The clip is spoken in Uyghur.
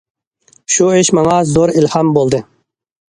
شۇ ئىش ماڭا زور ئىلھام بولدى.